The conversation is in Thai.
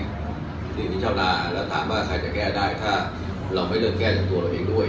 หลังจากชาวนานเราถามว่าใครจะแก้ได้ถ้าเราไม่นึกแก้จากตัวเราเองด้วย